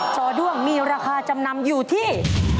จอด้วงมีราคาจำนำอยู่ที่